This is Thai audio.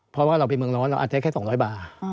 เพราะว่าเราเป็นเมืองร้อนเราอาจจะได้แค่๒๐๐บาท